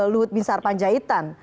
luhut bin sarpanjaitan